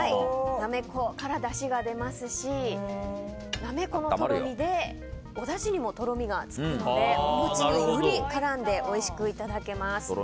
なめこからだしが出ますしなめこのとろみでおだしにも、とろみがつくのでお餅により絡んでおいしくいただけます。